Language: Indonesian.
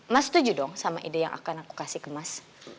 mas setuju dong sama ide yang akan aku kasih kemas